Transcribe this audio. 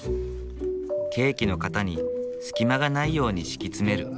ケーキの型に隙間がないように敷き詰める。